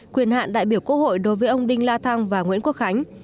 quyền hạn đại biểu quốc hội đối với ông đinh la thăng và nguyễn quốc khánh